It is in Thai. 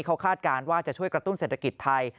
เขาคาดการณ์ว่าจะช่วยกระตุ้นเศรษฐกิจไทย